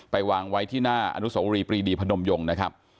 วางไว้ที่หน้าอนุสวรีปรีดีพนมยงนะครับ